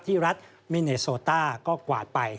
รัฐมิเนโซต้าก็กวาดไป